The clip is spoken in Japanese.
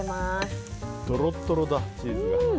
とろっとろだチーズが。